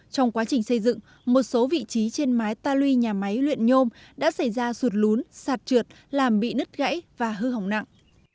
trong quá trình xây dựng một số vị trí trên mái ta luy nhà máy luyện nhôm đã xảy ra sụt lún sạt trượt làm bị nứt gãy và hư hỏng nặng